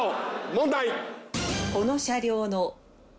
問題。